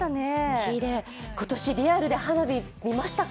きれい、今年、リアルで花火見ましたか？